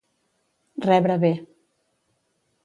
Rebre bé.